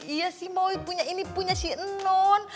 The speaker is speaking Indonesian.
iya sih mau punya ini punya si enon